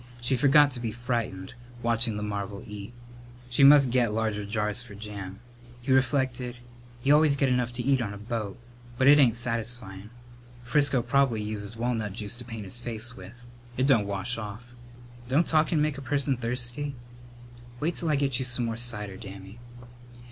She forgot to be frightened, watching the marvel eat. She must get larger jars for jam. He reflected: "You always get enough to eat on a boat, but it ain't satisfyin'. Frisco prob'ly uses walnut juice to paint his face with. It don't wash off. Don't talkin' make a person thirsty?" "Wait till I get you some more cider, Dammy."